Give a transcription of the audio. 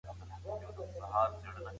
په تیرو کلونو کې جګړو باورونه زیانمن کړل.